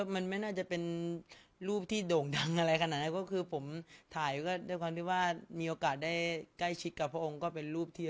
มันไม่น่าจะเป็นรูปที่โด่งดังอะไรขนาดนั้นก็คือผมถ่ายก็ด้วยความที่ว่ามีโอกาสได้ใกล้ชิดกับพระองค์ก็เป็นรูปที่